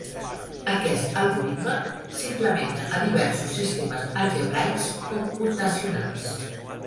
Aquest algoritme s'implementa a diversos sistemes algebraics computacionals.